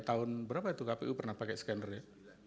tahun berapa itu kpu pernah pakai scanner ya